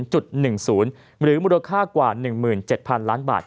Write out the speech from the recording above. หรือมูลค่ากว่า๑๗๐๐๐ล้านบาท